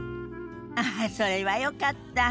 ああそれはよかった。